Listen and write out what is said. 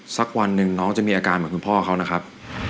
สักวันหนึ่งน้องจะมีอาการเหมือนคุณพ่อเขานะครับ